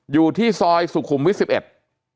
อยู่ที่ซอยสุขุมวิทย์๑๑